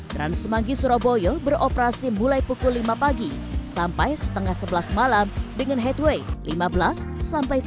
transmangi suraboyo beroperasi mulai pukul lima pagi sampai setengah sebelas malam dengan headway lima belas sampai tiga puluh menit